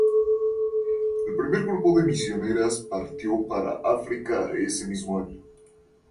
El primer grupo de misioneras partió para África ese mismo año.